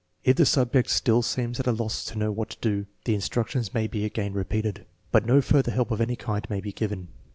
If the subject still seems at a loss to know what to do, the instructions may be again repeated. But no further kelp of any kind may be given.